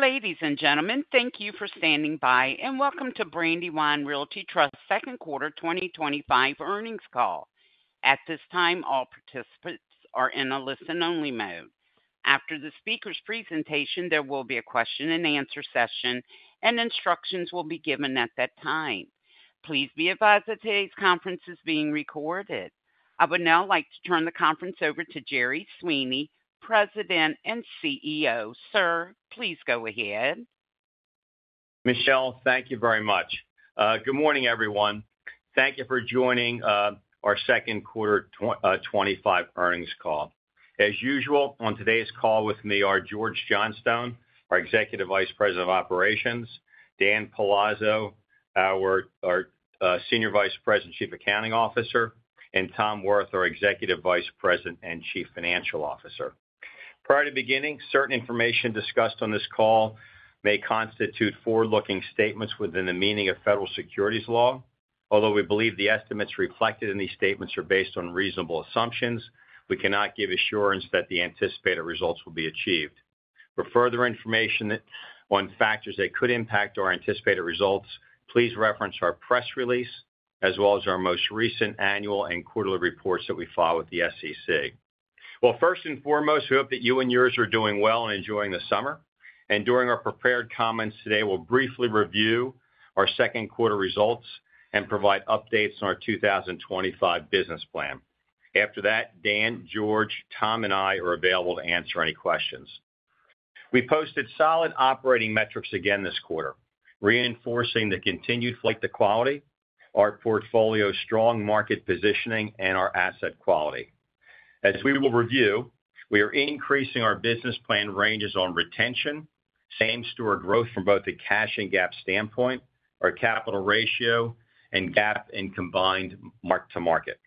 Ladies and gentlemen, thank you for standing by and welcome to Brandywine Realty Trust's Second Quarter 2025 Earnings Call. At this time, all participants are in a listen-only mode. After the speaker's presentation, there will be a question and answer session, and instructions will be given at that time. Please be advised that today's conference is being recorded. I would now like to turn the conference over to Jerry Sweeney, President and CEO. Sir, please go ahead. Michelle, thank you very much. Good morning, everyone. Thank you for joining our second quarter 2025 earnings call. As usual, on today's call with me are George Johnstone, our Executive Vice President of Operations; Dan Palazzo, our Senior Vice President and Chief Accounting Officer; and Tom Wirth, our Executive Vice President and Chief Financial Officer. Prior to beginning, certain information discussed on this call may constitute forward-looking statements within the meaning of federal securities law. Although we believe the estimates reflected in these statements are based on reasonable assumptions, we cannot give assurance that the anticipated results will be achieved. For further information on factors that could impact our anticipated results, please reference our press release, as well as our most recent annual and quarterly reports that we file with the SEC. First and foremost, we hope that you and yours are doing well and enjoying the summer. During our prepared comments today, we'll briefly review our second quarter results and provide updates on our 2025 business plan. After that, Dan, George, Tom, and I are available to answer any questions. We posted solid operating metrics again this quarter, reinforcing the continued flight to quality, our portfolio's strong market positioning, and our asset quality. As we will review, we are increasing our business plan ranges on retention, same-store growth from both a cash and GAAP standpoint, our capital ratio, and GAAP in combined mark-to-market.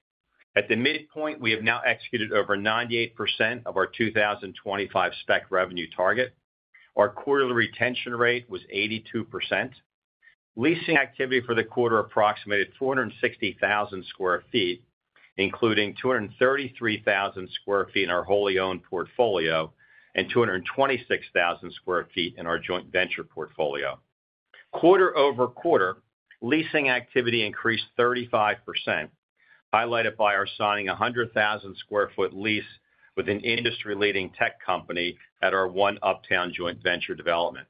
At the midpoint, we have now executed over 98% of our 2025 SPAC revenue target. Our quarterly retention rate was 82%. Leasing activity for the quarter approximated 260,000 sq ft including 233,000 sq ft in our wholly owned portfolio and 226,000 sq ft in our joint venture portfolio. Quarter-over-quarter, leasing activity increased 35%, highlighted by our signing a 100,000 sq ft lease with an industry-leading tech company at our 1 Uptown joint venture development.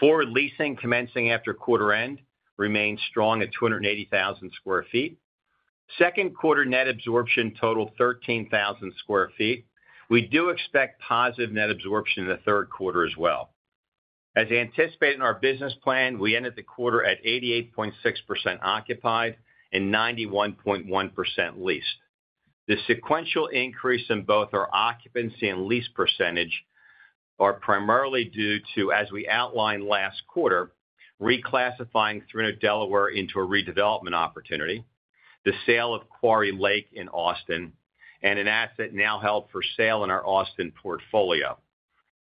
Forward leasing commencing after quarter end remains strong at 280,000 sq ft. Second quarter net absorption totaled 13,000 sq ft. We do expect positive net absorption in the third quarter as well. As anticipated in our business plan, we ended the quarter at 88.6% occupied and 91.1% leased. The sequential increase in both our occupancy and lease percentage is primarily due to, as we outlined last quarter, reclassifying Threnor, Delaware into a redevelopment opportunity, the sale of Quarry Lake in Austin, and an asset now held for sale in our Austin portfolio.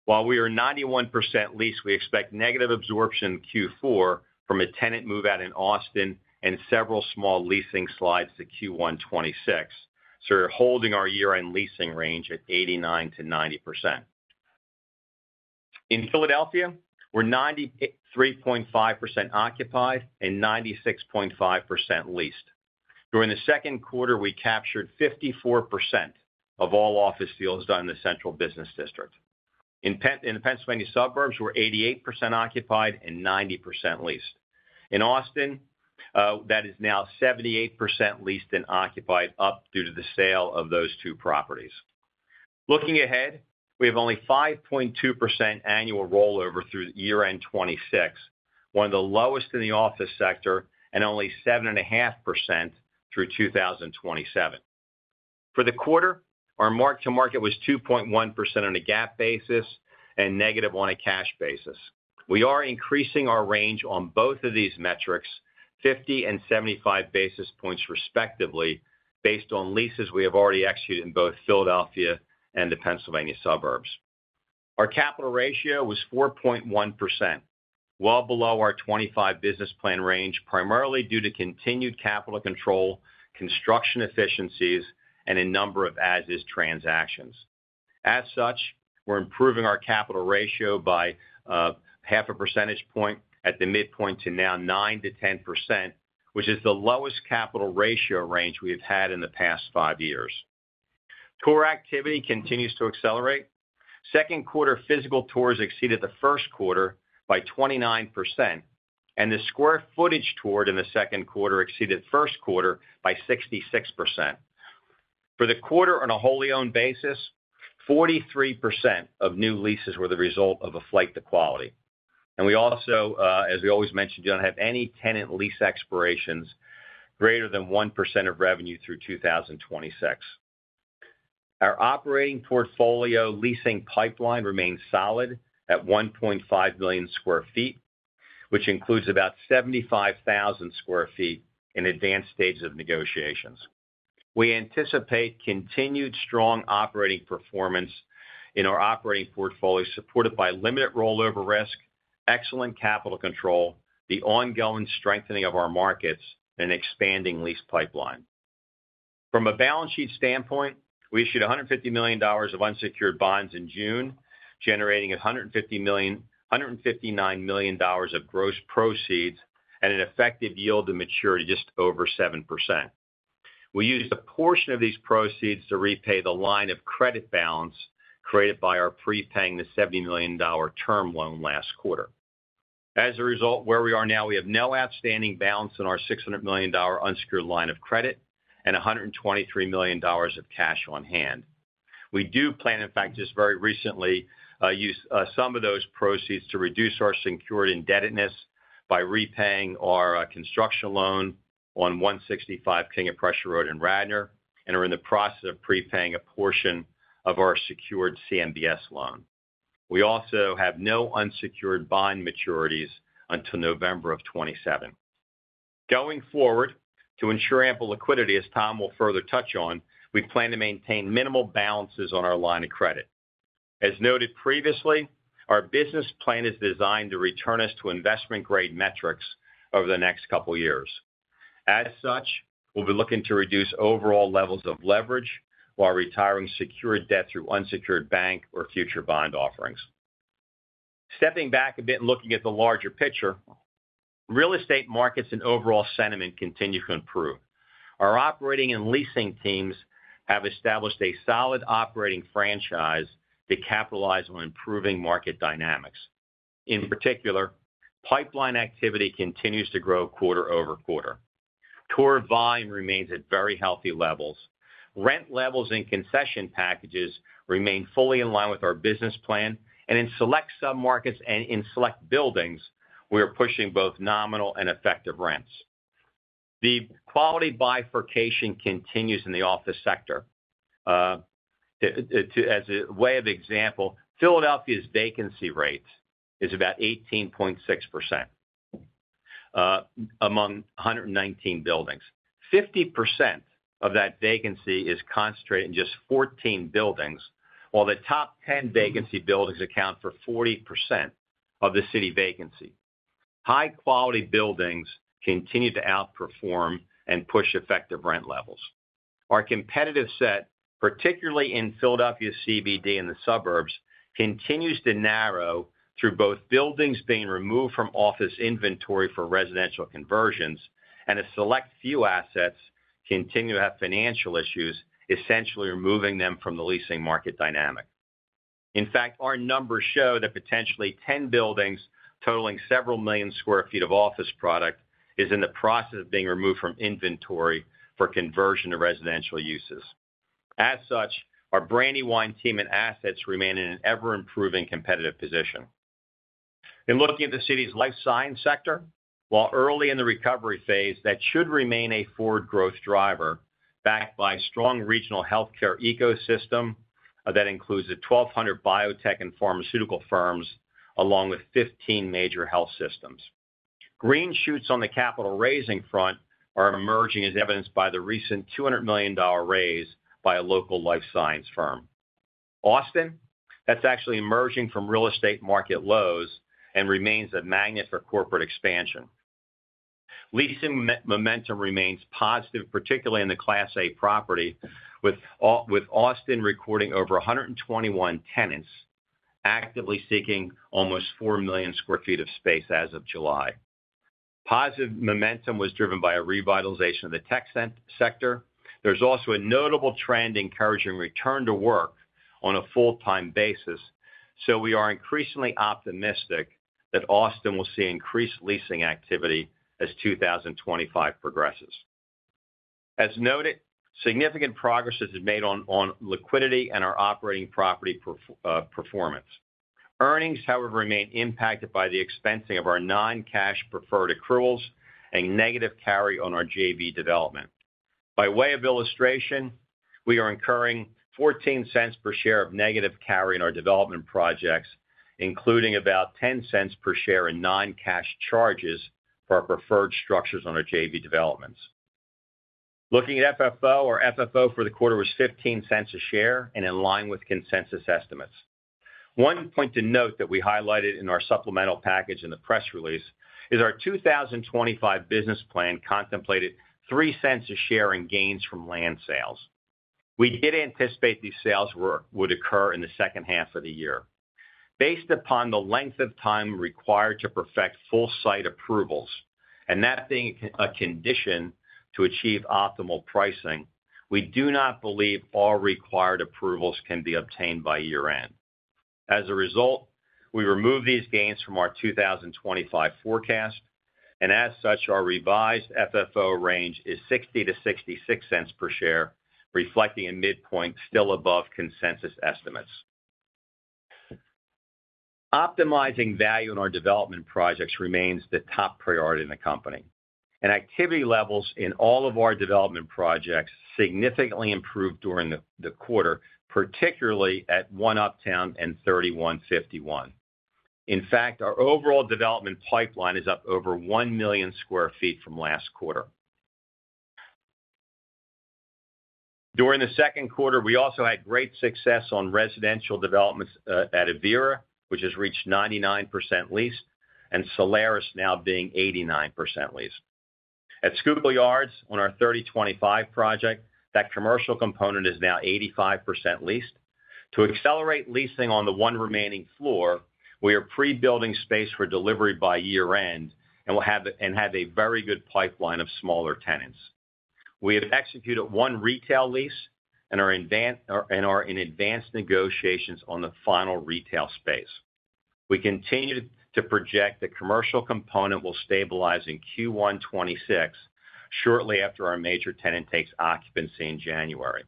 While we are 91% leased, we expect negative absorption in Q4 from a tenant move-out in Austin and several small leasing slides to Q1 2026, so we're holding our year-end leasing range at 89%-90%. In Philadelphia, we're 93.5% occupied and 96.5% leased. During the second quarter, we captured 54% of all office deals done in the central business district. In the Pennsylvania suburbs, we're 88% occupied and 90% leased. In Austin, that is now 78% leased and occupied up due to the sale of those two properties. Looking ahead, we have only 5.2% annual rollover through year-end 2026, one of the lowest in the office sector, and only 7.5% through 2027. For the quarter, our mark-to-market was 2.1% on a GAAP basis and negative on a cash basis. We are increasing our range on both of these metrics, 50 and 75 basis points respectively, based on leases we have already executed in both Philadelphia and the Pennsylvania suburbs. Our capital ratio was 4.1%, well below our 2025 business plan range, primarily due to continued capital control, construction efficiencies, and a number of as-is transactions. As such, we're improving our capital ratio by half a percentage point at the midpoint to now 9%-10%, which is the lowest capital ratio range we have had in the past five years. Tour activity continues to accelerate. Second quarter physical tours exceeded the first quarter by 29%, and the square footage toured in the second quarter exceeded first quarter by 66%. For the quarter on a wholly owned basis, 43% of new leases were the result of a flight to quality. We also, as we always mentioned, don't have any tenant lease expirations greater than 1% of revenue through 2026. Our operating portfolio leasing pipeline remains solid at 1.5 million sq ft, which includes about 75,000 sq ft in advanced stages of negotiations. We anticipate continued strong operating performance in our operating portfolio supported by limited rollover risk, excellent capital control, the ongoing strengthening of our markets, and an expanding lease pipeline. From a balance sheet standpoint, we issued $150 million of unsecured bonds in June, generating $159 million of gross proceeds and an effective yield to maturity of just over 7%. We used a portion of these proceeds to repay the line of credit balance created by our prepaying the $70 million term loan last quarter. As a result, where we are now, we have no outstanding balance in our $600 million unsecured line of credit and $123 million of cash on hand. We do plan, in fact, just very recently, to use some of those proceeds to reduce our secured indebtedness by repaying our construction loan on 165 King of Prussia Road in Radnor, and are in the process of prepaying a portion of our secured CMBS loan. We also have no unsecured bond maturities until November of 2027. Going forward, to ensure ample liquidity, as Tom will further touch on, we plan to maintain minimal balances on our line of credit. As noted previously, our business plan is designed to return us to investment-grade metrics over the next couple of years. As such, we'll be looking to reduce overall levels of leverage while retiring secured debt through unsecured bank or future bond offerings. Stepping back a bit and looking at the larger picture, real estate markets and overall sentiment continue to improve. Our operating and leasing teams have established a solid operating franchise to capitalize on improving market dynamics. In particular, pipeline activity continues to grow quarter-over-quarter. Tour volume remains at very healthy levels. Rent levels and concession packages remain fully in line with our business plan, and in select submarkets and in select buildings, we are pushing both nominal and effective rents. The quality bifurcation continues in the office sector. As a way of example, Philadelphia's vacancy rate is about 18.6% among 119 buildings. 50% of that vacancy is concentrated in just 14 buildings, while the top 10 vacancy buildings account for 40% of the city vacancy. High-quality buildings continue to outperform and push effective rent levels. Our competitive set, particularly in Philadelphia CBD and the suburbs, continues to narrow through both buildings being removed from office inventory for residential conversions and a select few assets continue to have financial issues, essentially removing them from the leasing market dynamic. In fact, our numbers show that potentially 10 buildings totaling several million square feet of office product is in the process of being removed from inventory for conversion to residential uses. As such, our Brandywine team and assets remain in an ever-improving competitive position. In looking at the city's life science sector, while early in the recovery phase, that should remain a forward growth driver backed by a strong regional healthcare ecosystem that includes 1,200 biotech and pharmaceutical firms, along with 15 major health systems. Green shoots on the capital raising front are emerging, as evidenced by the recent $200 million raise by a local life science firm. Austin, that's actually emerging from real estate market lows and remains a magnet for corporate expansion. Leasing momentum remains positive, particularly in the Class A property, with Austin recording over 121 tenants actively seeking almost 4 million sq ft of space as of July. Positive momentum was driven by a revitalization of the tech sector. There's also a notable trend encouraging return to work on a full-time basis, so we are increasingly optimistic that Austin will see increased leasing activity as 2025 progresses. As noted, significant progress has been made on liquidity and our operating property performance. Earnings, however, remain impacted by the expensing of our non-cash preferred accruals and negative carry on our JV development. By way of illustration, we are incurring $0.14 per share of negative carry in our development projects, including about $0.10 per share in non-cash charges for our preferred structures on our JV developments. Looking at FFO, our FFO for the quarter was $0.15 a share and in line with consensus estimates. One point to note that we highlighted in our supplemental package in the press release is our 2025 business plan contemplated $0.03 a share in gains from land sales. We did anticipate these sales would occur in the second half of the year. Based upon the length of time required to perfect full-site approvals, and that being a condition to achieve optimal pricing, we do not believe all required approvals can be obtained by year-end. As a result, we remove these gains from our 2025 forecast, and as such, our revised FFO range is $0.60-$0.66 per share, reflecting a midpoint still above consensus estimates. Optimizing value in our development projects remains the top priority in the company, and activity levels in all of our development projects significantly improved during the quarter, particularly at 1 Uptown and 3151. In fact, our overall development pipeline is up over 1 million sq ft from last quarter. During the second quarter, we also had great success on residential developments at Avira, which has reached 99% leased, and Solaris now being 89% leased. At Schuylkill Yards, on our 3025 project, that commercial component is now 85% leased. To accelerate leasing on the one remaining floor, we are pre-building space for delivery by year-end and have a very good pipeline of smaller tenants. We have executed one retail lease and are in advanced negotiations on the final retail space. We continue to project the commercial component will stabilize in Q1 2026, shortly after our major tenant takes occupancy in January.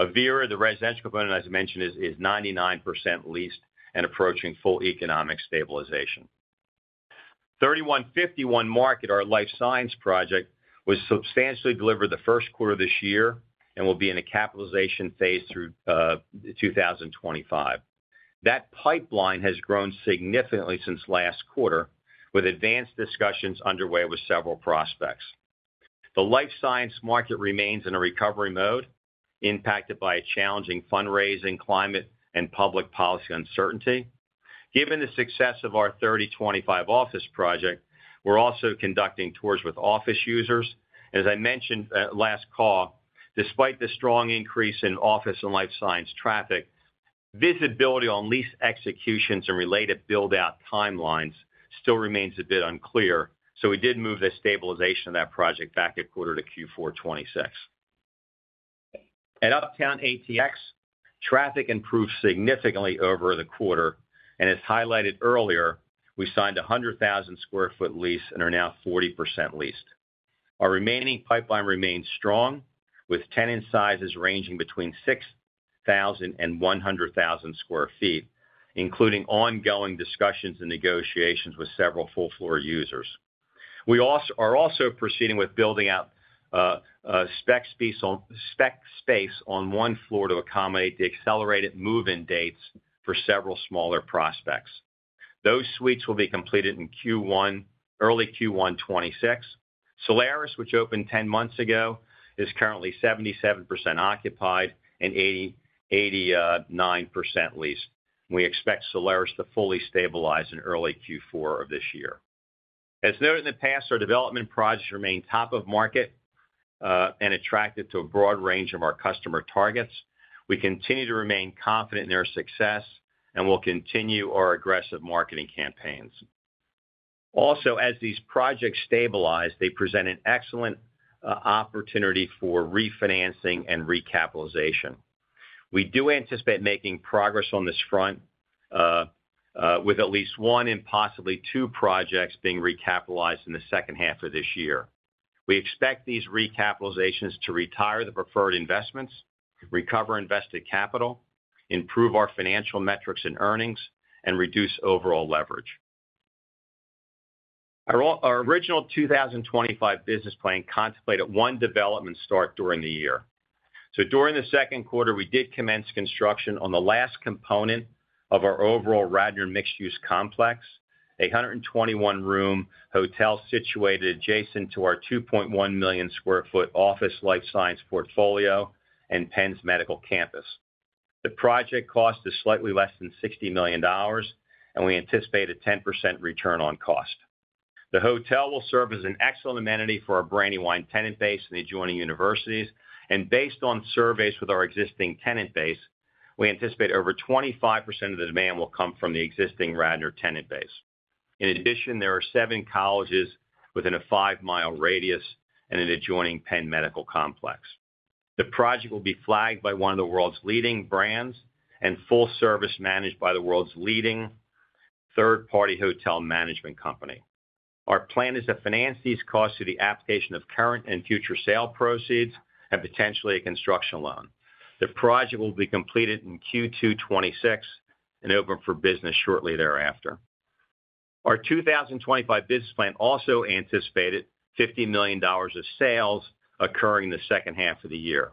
Avira, the residential component, as mentioned, is 99% leased and approaching full economic stabilization. 3151 Market, our life science project, was substantially delivered the first quarter of this year and will be in a capitalization phase through 2025. That pipeline has grown significantly since last quarter, with advanced discussions underway with several prospects. The life science market remains in a recovery mode, impacted by a challenging fundraising climate and public policy uncertainty. Given the success of our 3025 office project, we're also conducting tours with office users. As I mentioned last call, despite the strong increase in office and life science traffic, visibility on lease executions and related build-out timelines still remains a bit unclear, so we did move the stabilization of that project back a quarter to Q4 2026. At Uptown ATX, traffic improved significantly over the quarter, and as highlighted earlier, we signed a 100,000 sq ft lease and are now 40% leased. Our remaining pipeline remains strong, with tenant sizes ranging between 6,000 and 100,000 sq ft, including ongoing discussions and negotiations with several full-floor users. We are also proceeding with building out spec space on one floor to accommodate the accelerated move-in dates for several smaller prospects. Those suites will be completed in early Q1 2026. Solaris, which opened 10 months ago, is currently 77% occupied and 89% leased. We expect Solaris to fully stabilize in early Q4 of this year. As noted in the past, our development projects remain top of market and attractive to a broad range of our customer targets. We continue to remain confident in their success and will continue our aggressive marketing campaigns. Also, as these projects stabilize, they present an excellent opportunity for refinancing and recapitalization. We do anticipate making progress on this front, with at least one and possibly two projects being recapitalized in the second half of this year. We expect these recapitalizations to retire the preferred investments, recover invested capital, improve our financial metrics and earnings, and reduce overall leverage. Our original 2025 business plan contemplated one development start during the year. During the second quarter, we did commence construction on the last component of our overall Radnor mixed-use complex, a 121-room hotel situated adjacent to our 2.1 million sq ft office life science portfolio and Penn's medical campus. The project cost is slightly less than $60 million, and we anticipate a 10% return on cost. The hotel will serve as an excellent amenity for our Brandywine tenant base and the adjoining universities, and based on surveys with our existing tenant base, we anticipate over 25% of the demand will come from the existing Radnor tenant base. In addition, there are seven colleges within a five-mile radius and an adjoining Penn medical complex. The project will be flagged by one of the world's leading brands and full-service managed by the world's leading third-party hotel management company. Our plan is to finance these costs through the application of current and future sale proceeds and potentially a construction loan. The project will be completed in Q2 2026 and open for business shortly thereafter. Our 2025 business plan also anticipated $50 million of sales occurring in the second half of the year.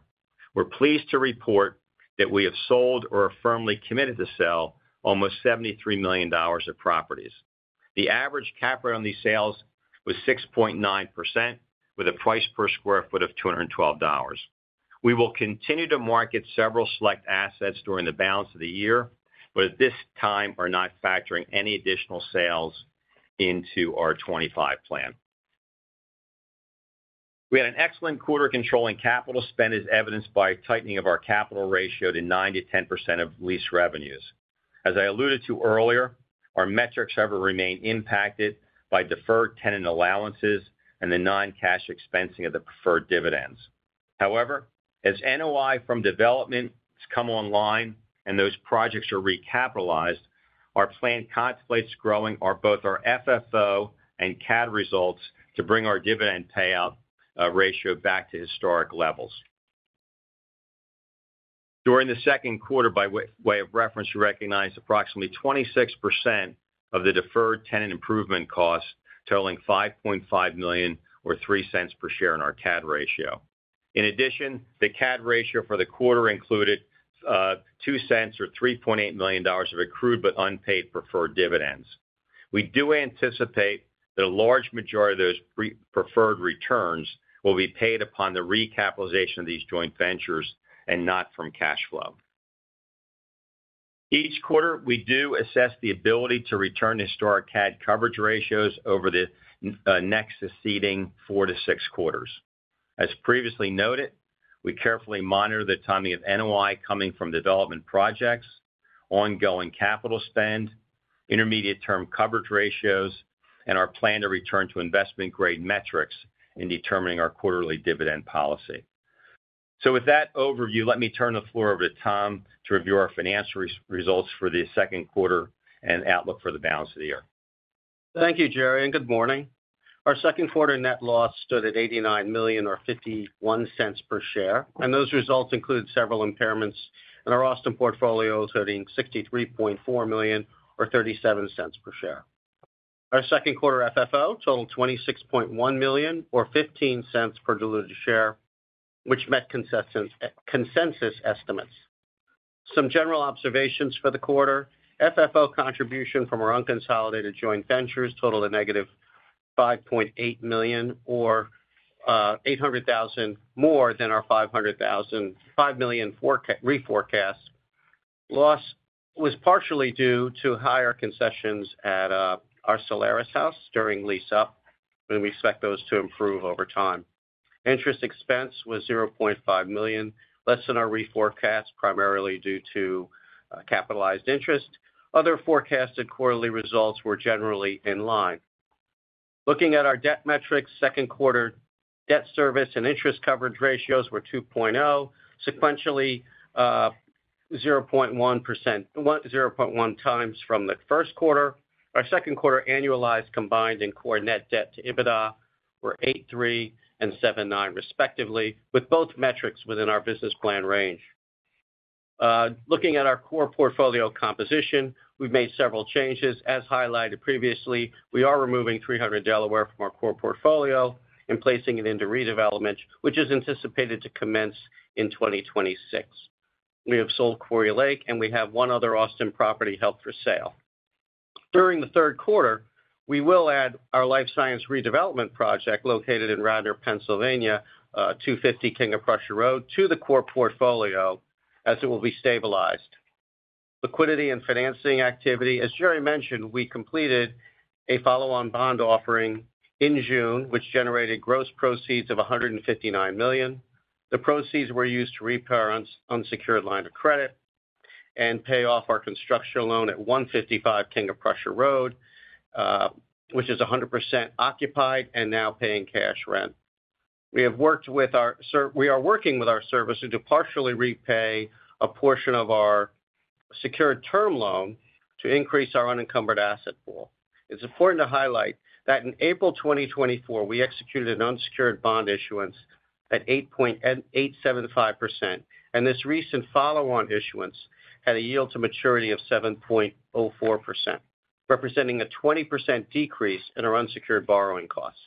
We're pleased to report that we have sold or are firmly committed to sell almost $73 million of properties. The average cap rate on these sales was 6.9%, with a price per square foot of $212. We will continue to market several select assets during the balance of the year, but at this time are not factoring any additional sales into our 2025 plan. We had an excellent quarter controlling capital spend, as evidenced by a tightening of our capital ratio to 9 to 10% of lease revenues. As I alluded to earlier, our metrics have remained impacted by deferred tenant allowances and the non-cash expensing of the preferred dividends. However, as NOI from development has come online and those projects are recapitalized, our plan contemplates growing both our FFO and CAD results to bring our dividend payout ratio back to historic levels. During the second quarter, by way of reference, we recognized approximately 26% of the deferred tenant improvement costs, totaling $5.5 million or $0.03 per share in our CAD ratio. In addition, the CAD ratio for the quarter included $0.02 or $3.8 million of accrued but unpaid preferred dividends. We do anticipate that a large majority of those preferred returns will be paid upon the recapitalization of these joint ventures and not from cash flow. Each quarter, we do assess the ability to return historic CAD coverage ratios over the next succeeding four to six quarters. As previously noted, we carefully monitor the timing of NOI coming from development projects, ongoing capital spend, intermediate-term coverage ratios, and our plan to return to investment-grade metrics in determining our quarterly dividend policy. With that overview, let me turn the floor over to Tom to review our financial results for the second quarter and outlook for the balance of the year. Thank you, Jerry, and good morning. Our second quarter net loss stood at $89 million or $0.51 per share, and those results include several impairments in our Austin portfolio, including $63.4 million or $0.37 per share. Our second quarter FFO totaled $26.1 million or $0.15 per diluted share, which met consensus estimates. Some general observations for the quarter: FFO contribution from our unconsolidated joint ventures totaled a negative $5.8 million or $800,000 more than our $500,000, $5 million reforecast loss was partially due to higher concessions at our Solaris house during lease up, and we expect those to improve over time. Interest expense was $0.5 million less than our reforecast, primarily due to capitalized interest. Other forecasted quarterly results were generally in line. Looking at our debt metrics, second quarter debt service and interest coverage ratios were 2.0, sequentially 0.1 times from the first quarter. Our second quarter annualized combined and core net debt to EBITDA were 8.3 and 7.9, respectively, with both metrics within our business plan range. Looking at our core portfolio composition, we've made several changes. As highlighted previously, we are removing Threnor, Delaware from our core portfolio and placing it into redevelopment, which is anticipated to commence in 2026. We have sold Quarry Lake, and we have one other Austin property held for sale. During the third quarter, we will add our life science redevelopment project located in Radnor, Pennsylvania, 250 King of Prussia Road, to the core portfolio as it will be stabilized. Liquidity and financing activity, as Jerry mentioned, we completed a follow-on bond offering in June, which generated gross proceeds of $159 million. The proceeds were used to repair an unsecured line of credit and pay off our construction loan at 155 King of Prussia Road, which is 100% occupied and now paying cash rent. We have worked with our servicer, we are working with our servicer to partially repay a portion of our secured term loan to increase our unencumbered asset pool. It's important to highlight that in April 2024, we executed an unsecured bond issuance at 8.875%, and this recent follow-on issuance had a yield to maturity of 7.04%, representing a 20% decrease in our unsecured borrowing costs.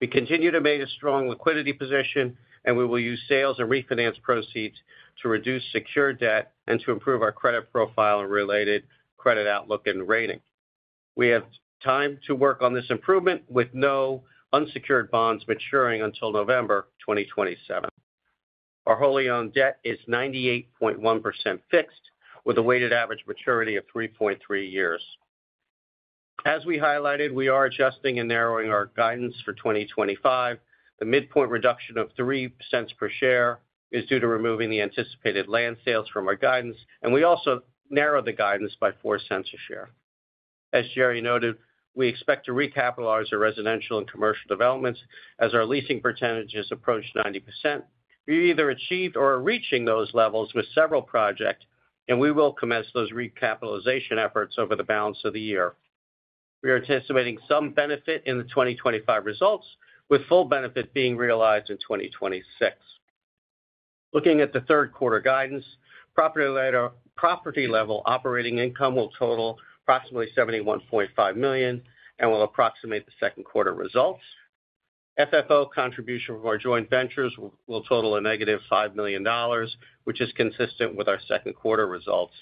We continue to make a strong liquidity position, and we will use sales and refinance proceeds to reduce secured debt and to improve our credit profile and related credit outlook and rating. We have time to work on this improvement with no unsecured bonds maturing until November 2027. Our wholly owned debt is 98.1% fixed, with a weighted average maturity of 3.3 years. As we highlighted, we are adjusting and narrowing our guidance for 2025. The midpoint reduction of $0.03 per share is due to removing the anticipated land sales from our guidance, and we also narrowed the guidance by $0.04 a share. As Jerry noted, we expect to recapitalize our residential and commercial developments as our leasing percentages approach 90%. We either achieved or are reaching those levels with several projects, and we will commence those recapitalization efforts over the balance of the year. We are anticipating some benefit in the 2025 results, with full benefit being realized in 2026. Looking at the third quarter guidance, property level operating income will total approximately $71.5 million and will approximate the second quarter results. FFO contribution from our joint ventures will total a -$5 million, which is consistent with our second quarter results.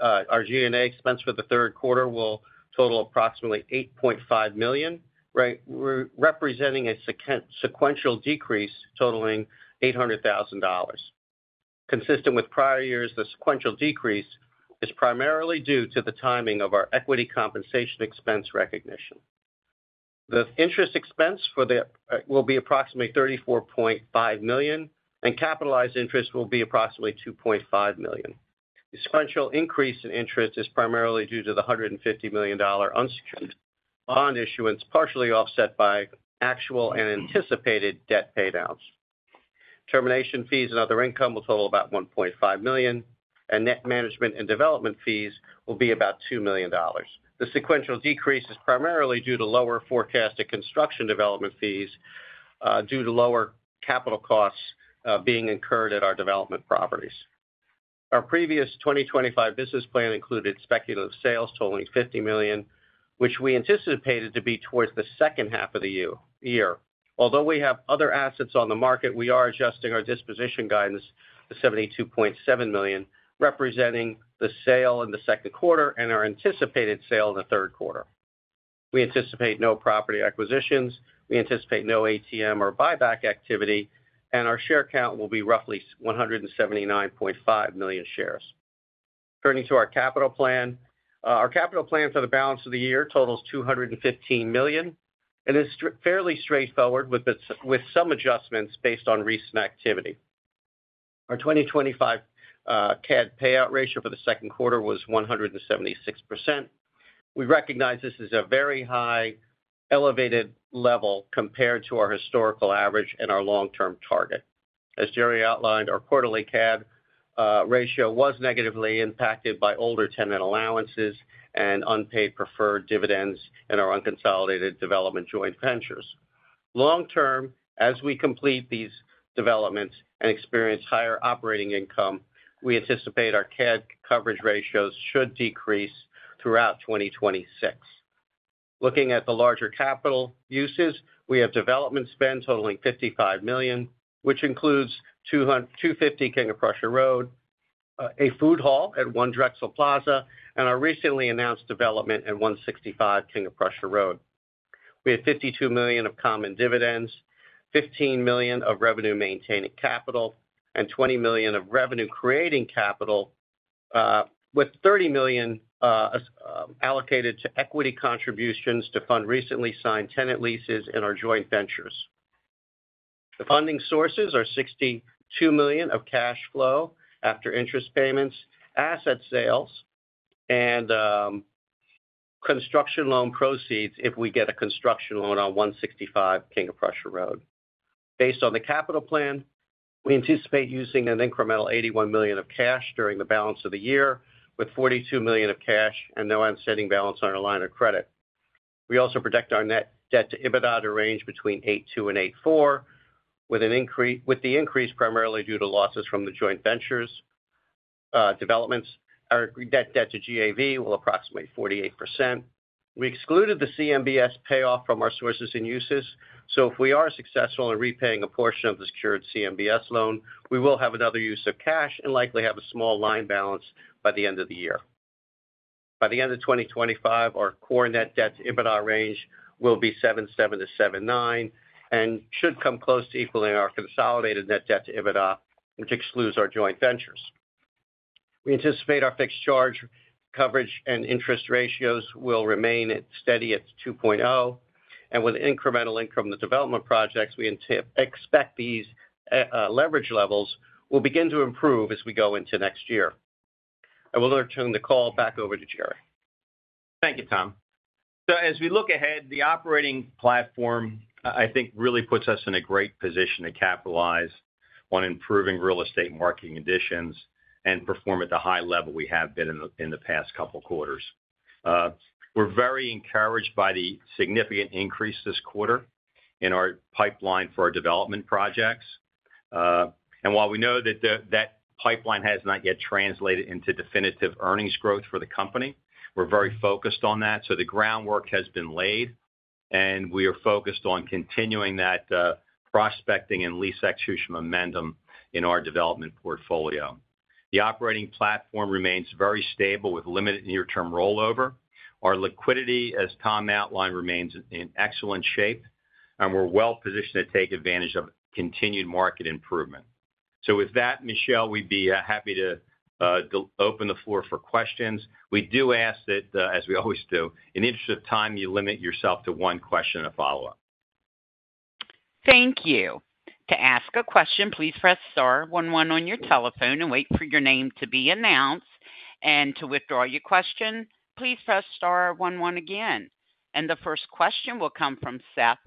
Our G&A expense for the third quarter will total approximately $8.5 million, representing a sequential decrease totaling $800,000. Consistent with prior years, the sequential decrease is primarily due to the timing of our equity compensation expense recognition. The interest expense will be approximately $34.5 million, and capitalized interest will be approximately $2.5 million. The sequential increase in interest is primarily due to the $150 million unsecured bond issuance, partially offset by actual and anticipated debt payouts. Termination fees and other income will total about $1.5 million, and net management and development fees will be about $2 million. The sequential decrease is primarily due to lower forecasted construction development fees due to lower capital costs being incurred at our development properties. Our previous 2025 business plan included speculative sales totaling $50 million, which we anticipated to be towards the second half of the year. Although we have other assets on the market, we are adjusting our disposition guidance to $72.7 million, representing the sale in the second quarter and our anticipated sale in the third quarter. We anticipate no property acquisitions, we anticipate no ATM or buyback activity, and our share count will be roughly 179.5 million shares. Turning to our capital plan, our capital plan for the balance of the year totals $215 million, and it's fairly straightforward with some adjustments based on recent activity. Our 2025 CAD payout ratio for the second quarter was 176%. We recognize this is a very high, elevated level compared to our historical average and our long-term target. As Jerry outlined, our quarterly CAD ratio was negatively impacted by older tenant allowances and unpaid preferred dividends in our unconsolidated development joint ventures. Long-term, as we complete these developments and experience higher operating income, we anticipate our CAD coverage ratios should decrease throughout 2026. Looking at the larger capital uses, we have development spend totaling $55 million, which includes 250 King of Prussia Road, a food hall at One Drexel Plaza, and our recently announced development at 165 King of Prussia Road. We have $52 million of common dividends, $15 million of revenue maintaining capital, and $20 million of revenue creating capital, with $30 million allocated to equity contributions to fund recently signed tenant leases in our joint ventures. The funding sources are $62 million of cash flow after interest payments, asset sales, and construction loan proceeds if we get a construction loan on 165 King of Prussia Road. Based on the capital plan, we anticipate using an incremental $81 million of cash during the balance of the year, with $42 million of cash and no outstanding balance on our line of credit. We also predict our net debt to EBITDA to range between $8.2 million and $8.4 million, with the increase primarily due to losses from the joint ventures developments. Our net debt to GAV will approximate 48%. We excluded the CMBS payoff from our sources and uses, so if we are successful in repaying a portion of the secured CMBS loan, we will have another use of cash and likely have a small line balance by the end of the year. By the end of 2025, our core net debt to EBITDA range will be $7.7 million-$7.9 million and should come close to equaling our consolidated net debt to EBITDA, which excludes our joint ventures. We anticipate our fixed charge coverage and interest ratios will remain steady at 2.0, and with incremental income in the development projects, we expect these leverage levels will begin to improve as we go into next year. I will turn the call back over to Jerry. Thank you, Tom. As we look ahead, the operating platform, I think, really puts us in a great position to capitalize on improving real estate market conditions and perform at the high level we have been in the past couple of quarters. We're very encouraged by the significant increase this quarter in our pipeline for our development projects. While we know that that pipeline has not yet translated into definitive earnings growth for the company, we're very focused on that. The groundwork has been laid, and we are focused on continuing that prospecting and lease execution momentum in our development portfolio. The operating platform remains very stable with limited near-term rollover. Our liquidity, as Tom outlined, remains in excellent shape, and we're well positioned to take advantage of continued market improvement. Michelle, we'd be happy to open the floor for questions. We do ask that, as we always do, in the interest of time, you limit yourself to one question and a follow-up. Thank you. To ask a question, please press star one one on your telephone and wait for your name to be announced. To withdraw your question, please press star one one again. The first question will come from Seth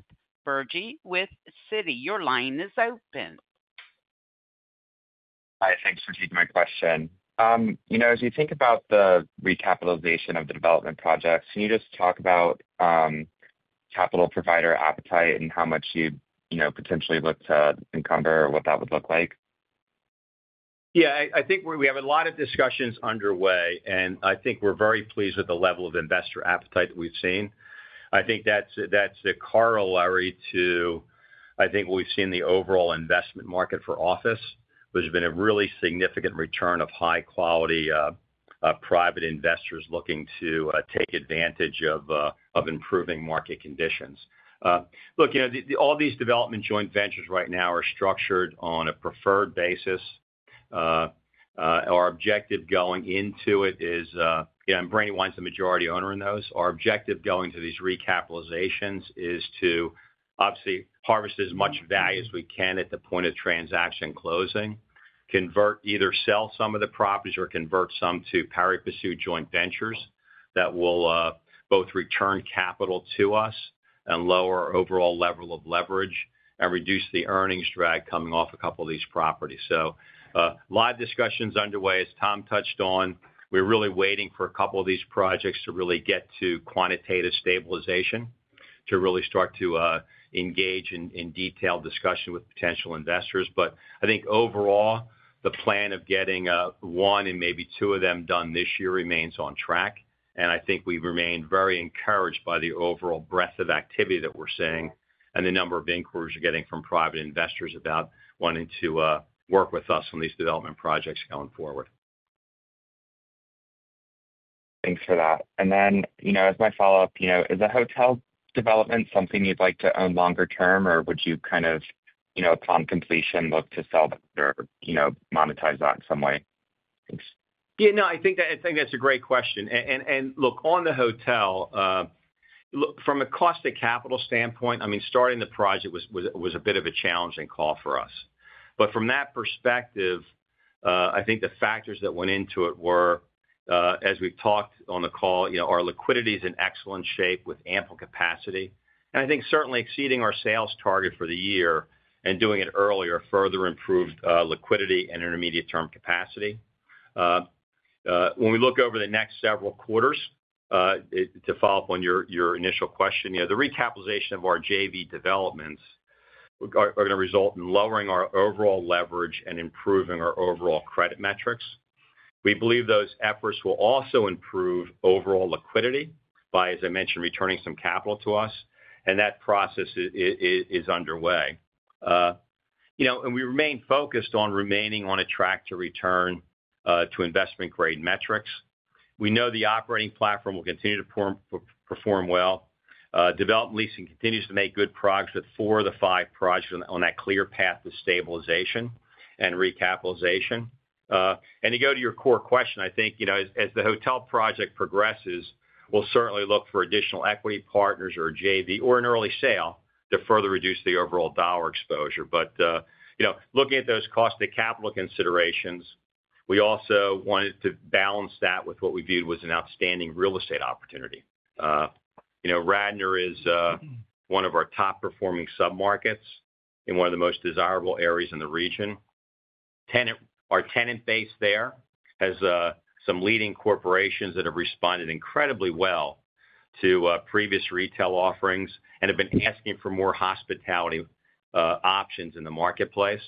Bergey with Citi. Your line is open. Hi, thanks for taking my question. As we think about the recapitalization of the development projects, can you just talk about capital provider appetite and how much you'd potentially look to encumber or what that would look like? I think we have a lot of discussions underway, and I think we're very pleased with the level of investor appetite that we've seen. I think that's the corollary to what we've seen in the overall investment market for office, which has been a really significant return of high-quality private investors looking to take advantage of improving market conditions. All these development joint ventures right now are structured on a preferred basis. Our objective going into it is, yeah, and Brandywine is the majority owner in those. Our objective going to these recapitalizations is to obviously harvest as much value as we can at the point of transaction closing, convert either sell some of the properties or convert some to pari passu joint ventures that will both return capital to us and lower our overall level of leverage and reduce the earnings drag coming off a couple of these properties. A lot of discussions are underway, as Tom Wirth touched on. We're really waiting for a couple of these projects to really get to quantitative stabilization, to really start to engage in detailed discussion with potential investors. I think overall, the plan of getting one and maybe two of them done this year remains on track. I think we've remained very encouraged by the overall breadth of activity that we're seeing and the number of inquiries we're getting from private investors about wanting to work with us on these development projects going forward. Thanks for that. As my follow-up, is the hotel development something you'd like to own longer term, or would you, upon completion, look to sell that or monetize that in some way? Yeah, I think that's a great question. Look, on the hotel, from a cost of capital standpoint, starting the project was a bit of a challenging call for us. From that perspective, the factors that went into it were, as we've talked on the call, our liquidity is in excellent shape with ample capacity. I think certainly exceeding our sales target for the year and doing it earlier further improved liquidity and intermediate-term capacity. When we look over the next several quarters, to follow up on your initial question, the recapitalization of our JV developments is going to result in lowering our overall leverage and improving our overall credit metrics. We believe those efforts will also improve overall liquidity by, as I mentioned, returning some capital to us. That process is underway. We remain focused on remaining on a track to return to investment-grade metrics. We know the operating platform will continue to perform well. Development leasing continues to make good progress with four of the five projects on that clear path to stabilization and recapitalization. To go to your core question, as the hotel project progresses, we'll certainly look for additional equity partners or a JV or an early sale to further reduce the overall dollar exposure. Looking at those cost of capital considerations, we also wanted to balance that with what we viewed was an outstanding real estate opportunity. Radnor is one of our top-performing submarkets in one of the most desirable areas in the region. Our tenant base there has some leading corporations that have responded incredibly well to previous retail offerings and have been asking for more hospitality options in the marketplace.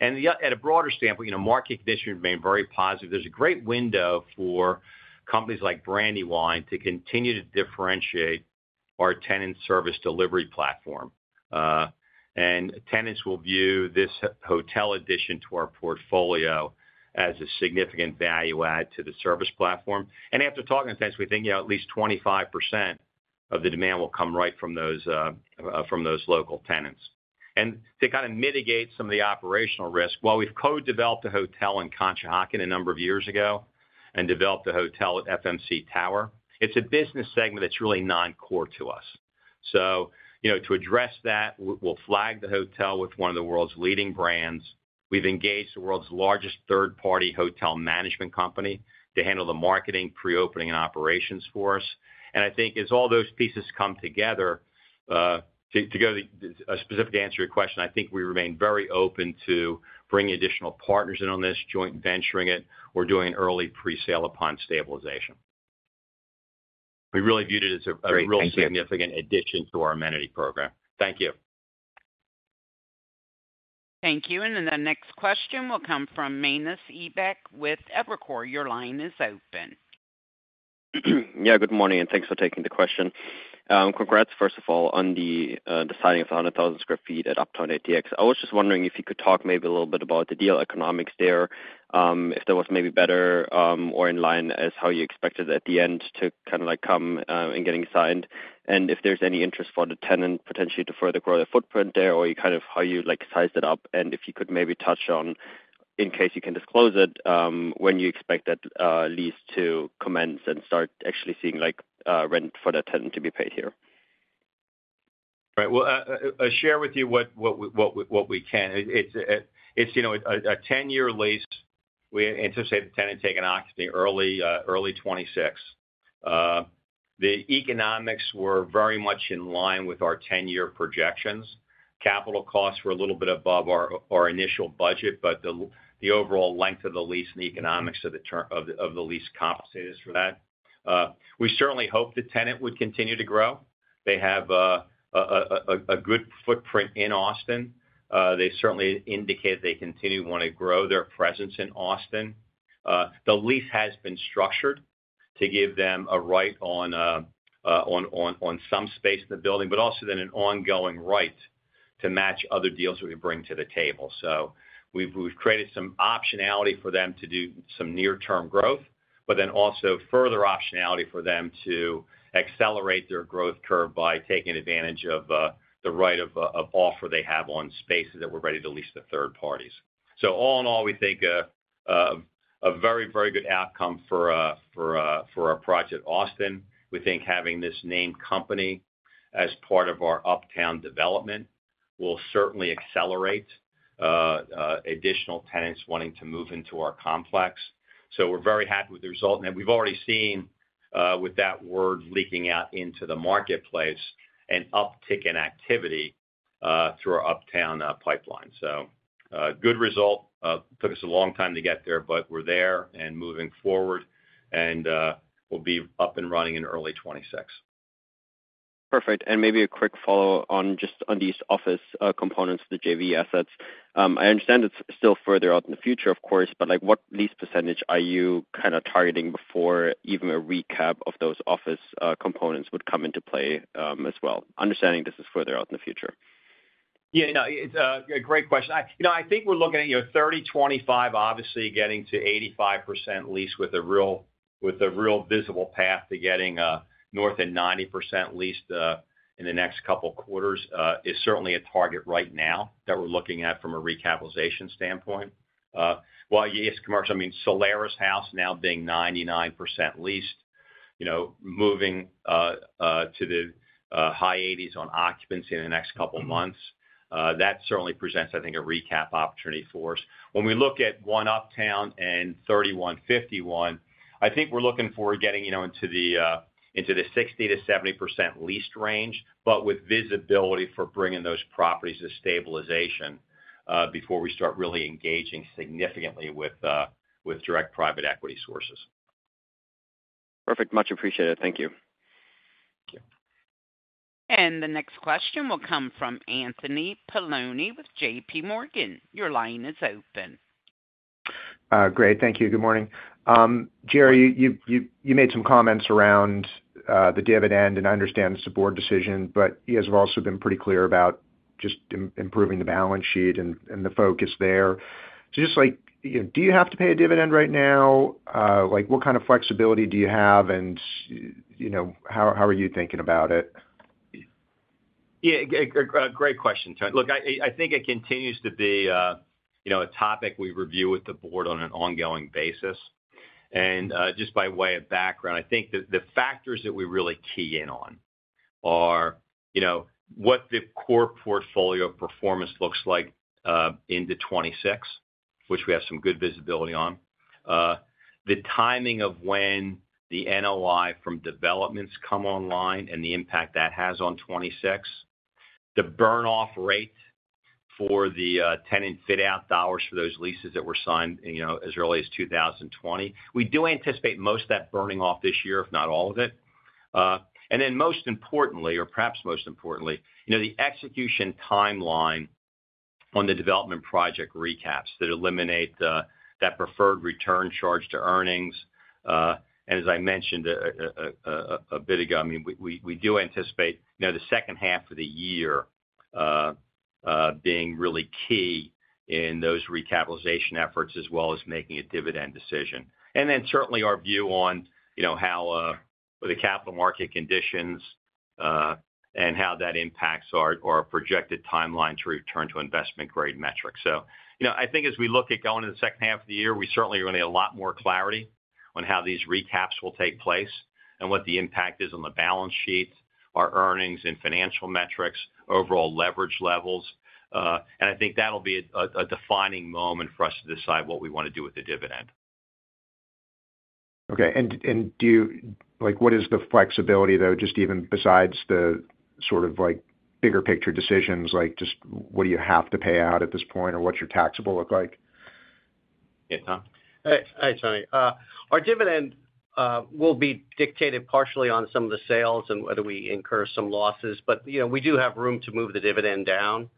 At a broader standpoint, market conditions remain very positive. There's a great window for companies like Brandywine to continue to differentiate our tenant service delivery platform. Tenants will view this hotel addition to our portfolio as a significant value add to the service platform. After talking to tenants, we think at least 25% of the demand will come right from those local tenants. To kind of mitigate some of the operational risk, while we've co-developed a hotel in Conshohocken a number of years ago and developed a hotel at FMC Tower, it's a business segment that's really non-core to us. To address that, we'll flag the hotel with one of the world's leading brands. We've engaged the world's largest third-party hotel management company to handle the marketing, pre-opening, and operations for us. I think as all those pieces come together, to go to a specific answer to your question, I think we remain very open to bringing additional partners in on this, joint venturing it, or doing an early presale upon stabilization. We really viewed it as a real significant addition to our amenity program. Thank you. Thank you. The next question will come from Manus Ebbecke with Evercore. Your line is open. Good morning, and thanks for taking the question. Congrats, first of all, on the signing of the 100,000 sq ft at Uptown ATX. I was just wondering if you could talk maybe a little bit about the deal economics there, if that was maybe better or in line as how you expected at the end to kind of like come in getting signed, and if there's any interest for the tenant potentially to further grow their footprint there, or how you like sized it up, and if you could maybe touch on, in case you can disclose it, when you expect that lease to commence and start actually seeing rent for that tenant to be paid here. Right, I'll share with you what we can. It's a 10-year lease. We anticipated the tenant to take an option early, early 2026. The economics were very much in line with our 10-year projections. Capital costs were a little bit above our initial budget, but the overall length of the lease and the economics of the lease compensated us for that. We certainly hope the tenant would continue to grow. They have a good footprint in Austin. They certainly indicated they continue to want to grow their presence in Austin. The lease has been structured to give them a right on some space in the building, but also an ongoing right to match other deals that we bring to the table. We've created some optionality for them to do some near-term growth, but also further optionality for them to accelerate their growth curve by taking advantage of the right of offer they have on spaces that we're ready to lease to third parties. All in all, we think a very, very good outcome for our project Austin. We think having this named company as part of our Uptown development will certainly accelerate additional tenants wanting to move into our complex. We're very happy with the result. We've already seen with that word leaking out into the marketplace an uptick in activity through our Uptown pipeline. Good result. Took us a long time to get there, but we're there and moving forward and we'll be up and running in early 2026. Perfect. Maybe a quick follow-up on these office components of the JV assets. I understand it's still further out in the future, of course, but what lease percentage are you kind of targeting before even a recap of those office components would come into play as well, understanding this is further out in the future? Yeah, no, it's a great question. I think we're looking at, you know, 3025, obviously getting to 85% leased with a real visible path to getting north of 90% leased in the next couple of quarters is certainly a target right now that we're looking at from a recapitalization standpoint. While yes, commercial, I mean Solaris now being 99% leased, moving to the high 80s on occupancy in the next couple of months, that certainly presents, I think, a recap opportunity for us. When we look at 1 Uptown and 3151 Market, I think we're looking forward to getting into the 60%-70% lease range, but with visibility for bringing those properties to stabilization before we start really engaging significantly with direct private equity sources. Perfect. Much appreciated. Thank you. The next question will come from Anthony Paolone with JPMorgan Chase & Co. Your line is open. Great, thank you. Good morning. Jerry, you made some comments around the dividend, and I understand it's the board decision, but you guys have also been pretty clear about just improving the balance sheet and the focus there. Do you have to pay a dividend right now? What kind of flexibility do you have, and how are you thinking about it? Yeah, great question, Tony. Look, I think it continues to be a topic we review with the board on an ongoing basis. Just by way of background, I think the factors that we really key in on are what the core portfolio performance looks like into 2026, which we have some good visibility on. The timing of when the NOI from developments come online and the impact that has on 2026, the burnoff rate for the tenant fit-out dollars for those leases that were signed as early as 2020. We do anticipate most of that burning off this year, if not all of it. Most importantly, or perhaps most importantly, the execution timeline on the development project recaps that eliminate that preferred return charge to earnings. As I mentioned a bit ago, we do anticipate the second half of the year being really key in those recapitalization efforts as well as making a dividend decision. Certainly our view on how the capital market conditions and how that impacts our projected timeline to return to investment-grade metrics. As we look at going to the second half of the year, we certainly are going to need a lot more clarity on how these recaps will take place and what the impact is on the balance sheets, our earnings and financial metrics, overall leverage levels. I think that'll be a defining moment for us to decide what we want to do with the dividend. Okay, what is the flexibility though, just even besides the sort of bigger picture decisions, like just what do you have to pay out at this point or what's your taxable look like? Yeah, Tom. Hey, Tony. Our dividend will be dictated partially on some of the sales and whether we incur some losses, but, you know, we do have room to move the dividend down,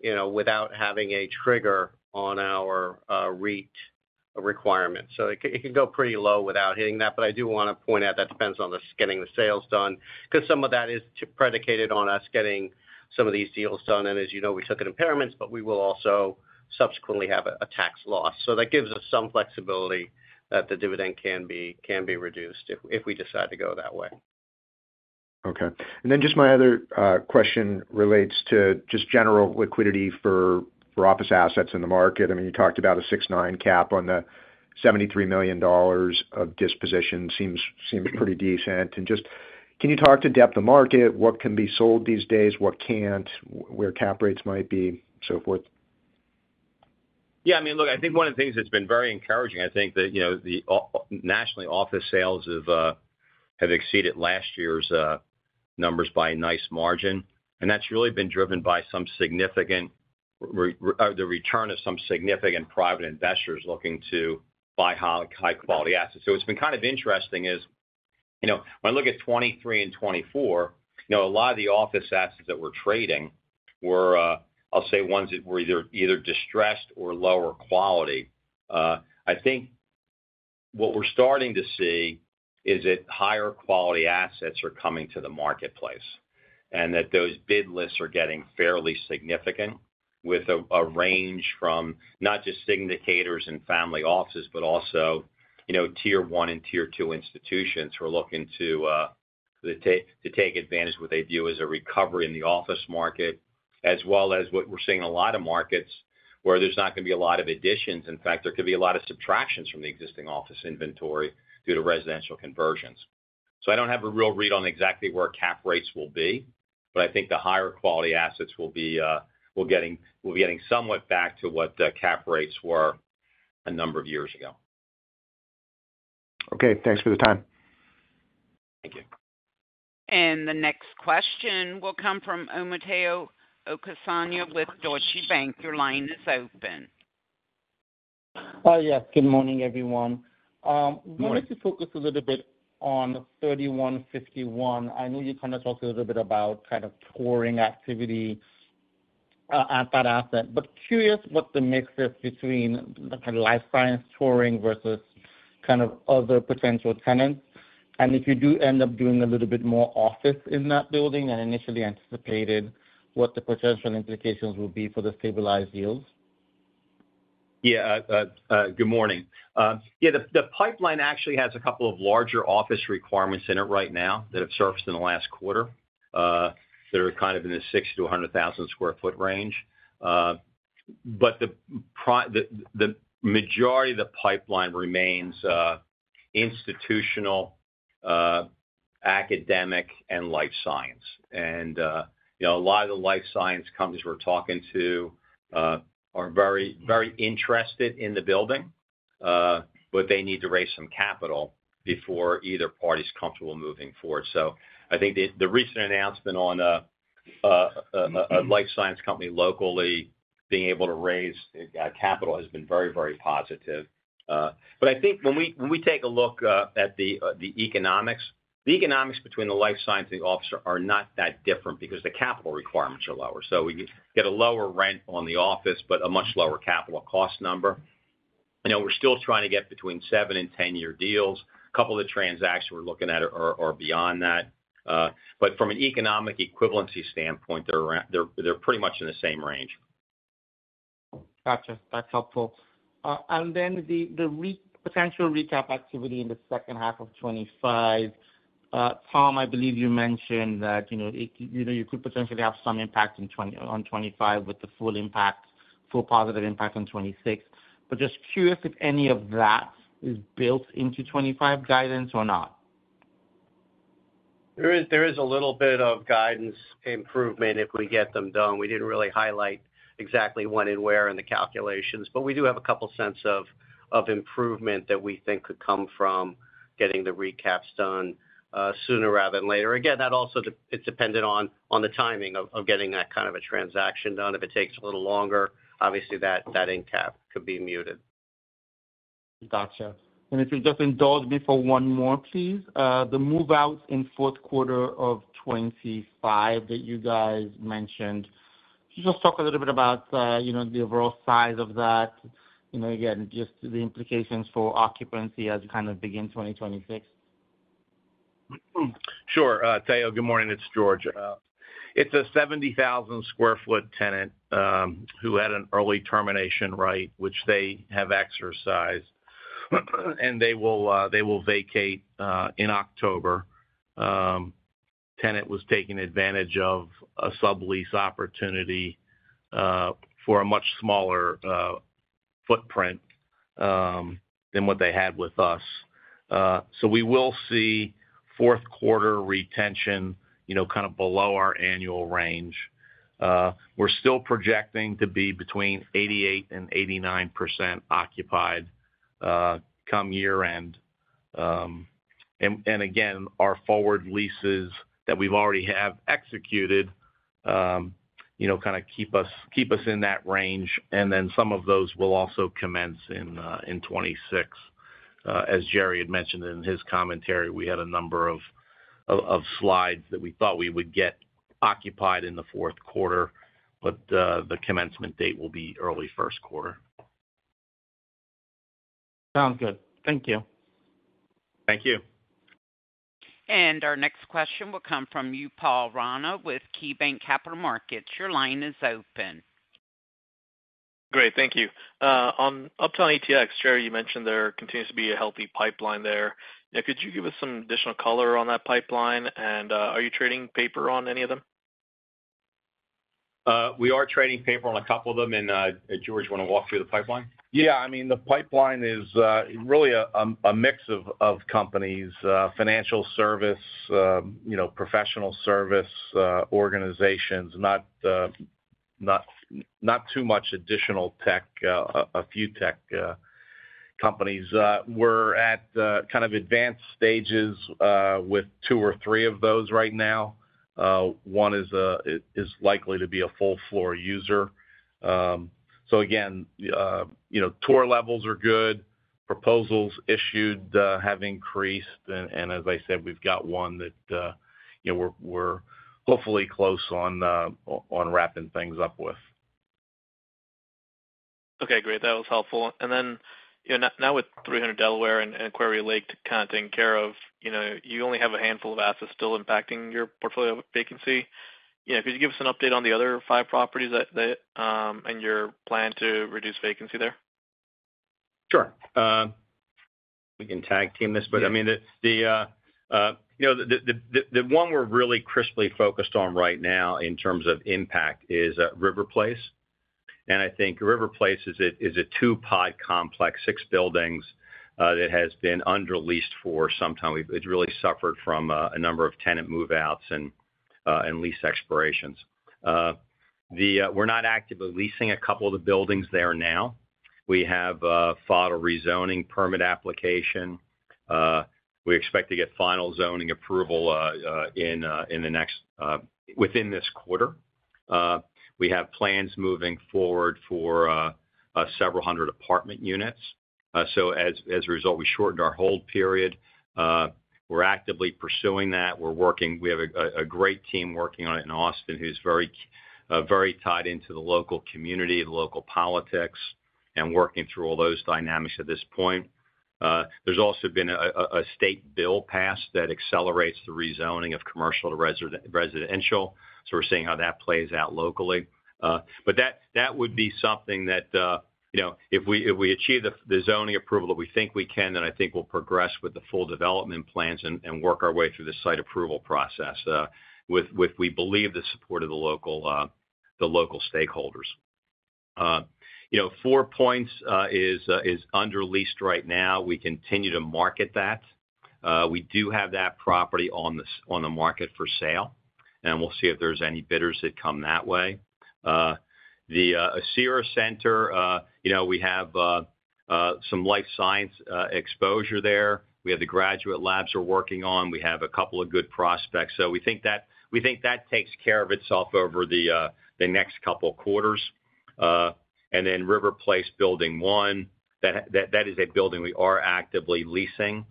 you know, without having a trigger on our REIT requirement. It can go pretty low without hitting that. I do want to point out that depends on us getting the sales done because some of that is predicated on us getting some of these deals done. As you know, we took in impairments, but we will also subsequently have a tax loss. That gives us some flexibility that the dividend can be reduced if we decide to go that way. Okay. My other question relates to just general liquidity for office assets in the market. I mean, you talked about a 6-9% cap on the $73 million of disposition, seems pretty decent. Can you talk to depth of market, what can be sold these days, what can't, where cap rates might be, so forth? Yeah, I mean, look, I think one of the things that's been very encouraging, I think that, you know, the nationally office sales have exceeded last year's numbers by a nice margin. That's really been driven by some significant, or the return of some significant private investors looking to buy high-quality assets. What's been kind of interesting is, you know, when I look at 2023 and 2024, you know, a lot of the office assets that were trading were, I'll say, ones that were either distressed or lower quality. I think what we're starting to see is that higher quality assets are coming to the marketplace and that those bid lists are getting fairly significant with a range from not just syndicators and family offices, but also, you know, Tier one and Tier two institutions who are looking to take advantage of what they view as a recovery in the office market, as well as what we're seeing in a lot of markets where there's not going to be a lot of additions. In fact, there could be a lot of subtractions from the existing office inventory due to residential conversions. I don't have a real read on exactly where cap rates will be, but I think the higher quality assets will be getting somewhat back to what the cap rates were a number of years ago. Okay, thanks for the time. Thank you. The next question will come from Omotayo Okusanya with Deutsche Bank. Your line is open. Yeah, good morning, everyone. I wanted to focus a little bit on 3151. I know you kind of talked a little bit about touring activity at that asset, but curious what the mix is between the kind of life science touring versus other potential tenants. If you do end up doing a little bit more office in that building than initially anticipated, what the potential implications will be for the stabilized yields. Good morning. The pipeline actually has a couple of larger office requirements in it right now that have surfaced in the last quarter that are in the 6,000 sq ft-100,000 sq ft range. The majority of the pipeline remains institutional, academic, and life science. A lot of the life science companies we're talking to are very, very interested in the building, but they need to raise some capital before either party is comfortable moving forward. I think the recent announcement on a life science company locally being able to raise capital has been very, very positive. When we take a look at the economics, the economics between the life science and the office are not that different because the capital requirements are lower. We get a lower rent on the office, but a much lower capital cost number. We're still trying to get between seven- and ten-year deals. A couple of the transactions we're looking at are beyond that. From an economic equivalency standpoint, they're pretty much in the same range. Gotcha. That's helpful. The potential recap activity in the second half of 2025, Tom, I believe you mentioned that you could potentially have some impact on 2025 with the full impact, full positive impact on 2026. Just curious if any of that is built into 2025 guidance or not. There is a little bit of guidance improvement if we get them done. We didn't really highlight exactly when and where in the calculations, but we do have a couple of cents of improvement that we think could come from getting the recaps done sooner rather than later. Again, that also is dependent on the timing of getting that kind of a transaction done. If it takes a little longer, obviously that impact could be muted. Gotcha. If you just indulge me for one more, please, the move-out in the fourth quarter of 2025 that you guys mentioned, can you just talk a little bit about the overall size of that? You know, again, just the implications for occupancy as we kind of begin 2026? Sure. Good morning. It's George. It's a 70,000 sq ft tenant who had an early termination right, which they have exercised, and they will vacate in October. The tenant was taking advantage of a sublease opportunity for a much smaller footprint than what they had with us. We will see fourth quarter retention below our annual range. We're still projecting to be between 88% and 89% occupied come year-end. Our forward leases that we've already executed keep us in that range. Some of those will also commence in 2026. As Jerry had mentioned in his commentary, we had a number of slides that we thought we would get occupied in the fourth quarter, but the commencement date will be early first quarter. Sounds good. Thank you. Thank you. Our next question will come from Upal Rana with KeyBanc Capital Markets. Your line is open. Great, thank you. On Uptown ATX, Jerry, you mentioned there continues to be a healthy pipeline there. Could you give us some additional color on that pipeline? Are you trading paper on any of them? We are trading paper on a couple of them. George, you want to walk through the pipeline? Yeah, I mean, the pipeline is really a mix of companies, financial service, professional service organizations, not too much additional tech, a few tech companies. We're at kind of advanced stages with two or three of those right now. One is likely to be a full-floor user. Tour levels are good. Proposals issued have increased. As I said, we've got one that we're hopefully close on wrapping things up with. Okay, great. That was helpful. Now with Threnor, Delaware, and Quarry Lake kind of taken care of, you only have a handful of assets still impacting your portfolio vacancy. Could you give us an update on the other five properties and your plan to reduce vacancy there? Sure. We can tag team this, but I mean, you know, the one we're really crisply focused on right now in terms of impact is River Place. I think River Place is a two-pod complex, six buildings that has been underleased for some time. It's really suffered from a number of tenant move-outs and lease expirations. We're not actively leasing a couple of the buildings there now. We have filed a rezoning permit application. We expect to get final zoning approval within this quarter. We have plans moving forward for several hundred apartment units. As a result, we shortened our hold period. We're actively pursuing that. We have a great team working on it in Austin who's very, very tied into the local community, the local politics, and working through all those dynamics at this point. There's also been a state bill passed that accelerates the rezoning of commercial to residential. We're seeing how that plays out locally. That would be something that, you know, if we achieve the zoning approval that we think we can, then I think we'll progress with the full development plans and work our way through the site approval process with, we believe, the support of the local stakeholders. Four Points is underleased right now. We continue to market that. We do have that property on the market for sale. We'll see if there's any bidders that come that way. The Asira Center, you know, we have some life science exposure there. We have the graduate labs we're working on. We have a couple of good prospects. We think that takes care of itself over the next couple of quarters. River Place Building One, that is a building we are actively leasing.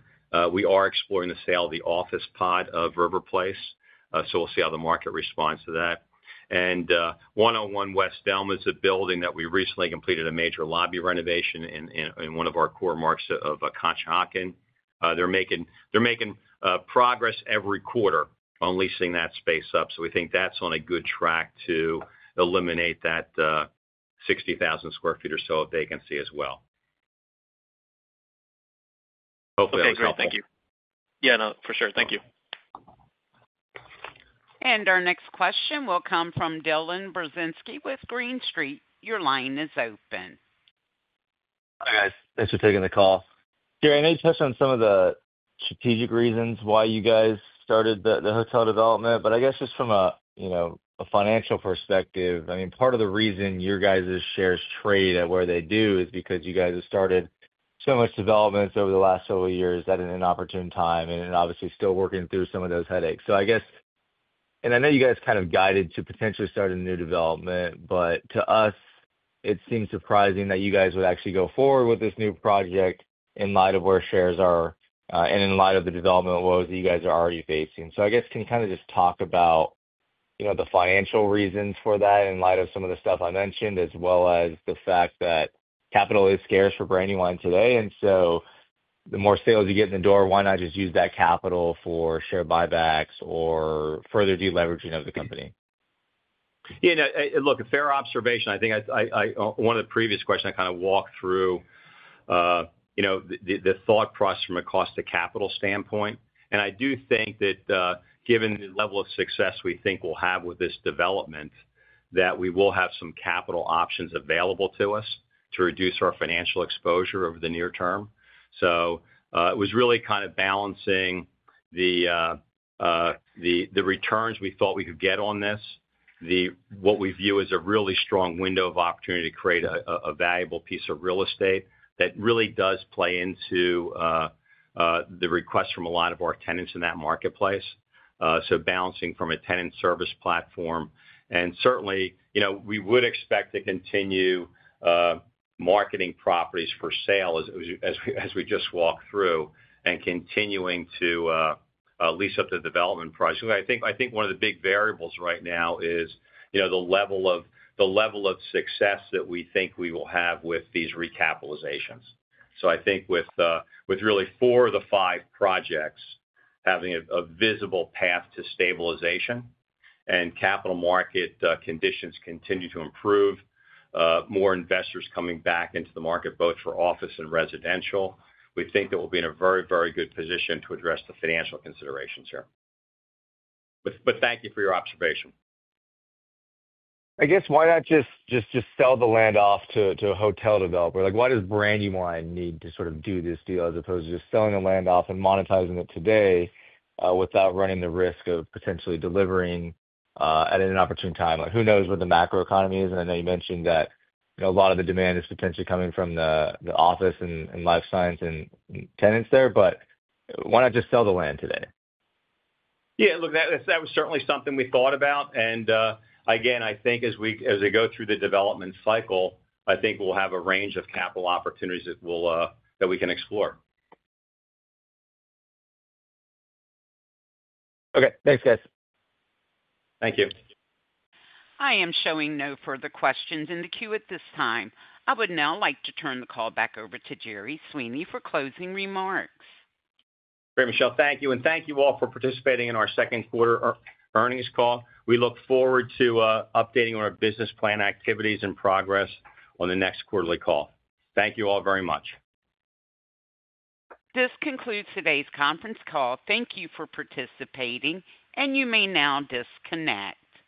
We are exploring the sale of the office pod of River Place. We'll see how the market responds to that. 101 West Delma is a building that we recently completed a major lobby renovation in, one of our core marks of Conshohocken. They're making progress every quarter on leasing that space up. We think that's on a good track to eliminate that 60,000 sq ft or so of vacancy as well. Okay, great. Thank you. Yeah, for sure. Thank you. Our next question will come from Dylan Burzinski with Green Street. Your line is open. Hi, guys. Thanks for taking the call. I know you touched on some of the strategic reasons why you guys started the hotel development, but I guess just from a financial perspective, part of the reason your guys' shares trade at where they do is because you guys have started so much development over the last several years at an inopportune time and obviously still working through some of those headaches. I know you guys kind of guided to potentially start a new development, but to us, it seems surprising that you guys would actually go forward with this new project in light of where shares are and in light of the development woes that you guys are already facing. Can you kind of just talk about the financial reasons for that in light of some of the stuff I mentioned, as well as the fact that capital is scarce for Brandywine Realty Trust today? The more sales you get in the door, why not just use that capital for share buybacks or further deleveraging of the company? Yeah, no, look, a fair observation. I think one of the previous questions I kind of walked through the thought process from a cost-to-capital standpoint. I do think that given the level of success we think we'll have with this development, we will have some capital options available to us to reduce our financial exposure over the near term. It was really kind of balancing the returns we thought we could get on this, what we view as a really strong window of opportunity to create a valuable piece of real estate that really does play into the requests from a lot of our tenants in that marketplace. Balancing from a tenant service platform, we would expect to continue marketing properties for sale as we just walked through and continuing to lease up the development pricing. I think one of the big variables right now is the level of success that we think we will have with these recapitalizations. I think with really four of the five projects having a visible path to stabilization and capital market conditions continue to improve, more investors coming back into the market, both for office and residential, we think that we'll be in a very, very good position to address the financial considerations here. Thank you for your observation. I guess, why not just sell the land off to a hotel developer? Like, why does Brandywine need to sort of do this deal as opposed to just selling the land off and monetizing it today without running the risk of potentially delivering at an inopportune time? Who knows what the macroeconomy is? I know you mentioned that a lot of the demand is potentially coming from the office and life science and tenants there, but why not just sell the land today? Yeah, that was certainly something we thought about. I think as we go through the development cycle, I think we'll have a range of capital opportunities that we can explore. Okay, thanks, guys. Thank you. I am showing no further questions in the queue at this time. I would now like to turn the call back over to Jerry Sweeney for closing remarks. Great, Michelle, thank you. Thank you all for participating in our second quarter earnings call. We look forward to updating our business plan activities and progress on the next quarterly call. Thank you all very much. This concludes today's conference call. Thank you for participating, and you may now disconnect.